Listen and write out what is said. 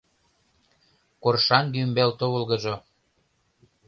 Коршаҥге ӱмбал товылгыжо